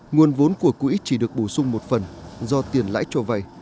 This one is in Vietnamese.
nguồn vốn của quỹ chỉ được bổ sung một phần do tiền lãi cho vay